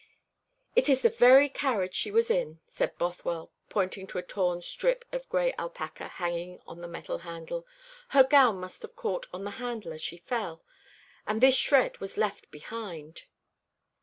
"It is the very carriage she was in," said Bothwell, pointing to a torn strip of gray alpaca hanging on the metal handle. "Her gown must have caught on the handle as she fell, and this shred was left behind."